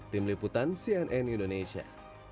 tim liputan cnn indonesia